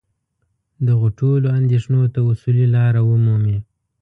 دغو ټولو اندېښنو ته اصولي لاره ومومي.